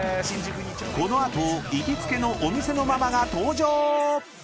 ［この後行きつけのお店のママが登場！］